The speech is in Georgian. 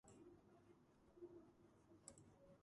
გავრცელებულია ნათელ ტყეებსა და სავანებში.